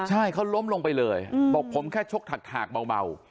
ใช่เขาล้มลงไปเลยบอกผมแค่ชกถากเบา